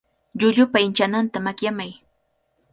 Llullupa inchananta makyamay.